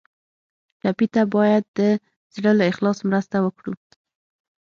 ټپي ته باید د زړه له اخلاص مرسته وکړو.